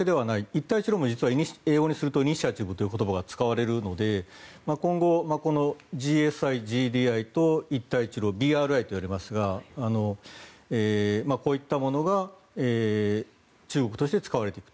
一帯一路も英語にするとイニシアチブという言葉が使われるので今後、ＧＳＩ、ＧＤＩと一帯一路こういったものが中国として使われていく。